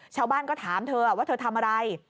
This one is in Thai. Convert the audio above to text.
ชาวบ้านก็ถามเธอว่าเธอทำอะไร